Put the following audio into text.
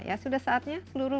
ya sudah saatnya seluruh